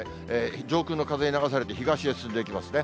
上空の風に流されて、東へ進んでいきますね。